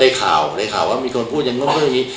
ไม่มีก็ได้ข่าวได้ข่าวว่ามีคนพูดอย่างนั้นก็ไม่มี